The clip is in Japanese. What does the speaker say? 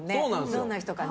どんな人かね。